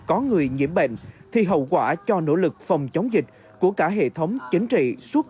có người nhiễm bệnh thì hậu quả cho nỗ lực phòng chống dịch của cả hệ thống chính trị suốt